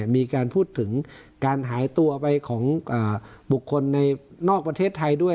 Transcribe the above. มีการพูดถึงการหายตัวไปของบุคคลในนอกประเทศไทยด้วย